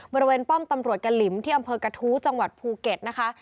ป้อมตำรวจกะหลิมที่อำเภอกระทู้จังหวัดภูเก็ตนะคะ